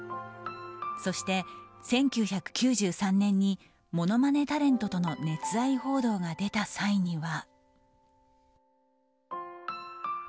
そして１９９３年にモノマネタレントとの熱愛報道が出た際には。